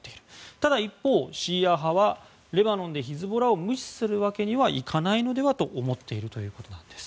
ただ一方、シーア派はレバノンでヒズボラを無視するわけにはいかないのではと思っているということです。